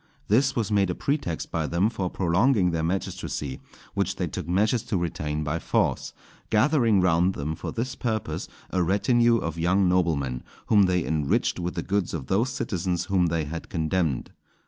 This was made a pretext by them for prolonging their magistracy, which they took measures to retain by force, gathering round them for this purpose a retinue of young noblemen, whom they enriched with the goods of those citizens whom they had condemned.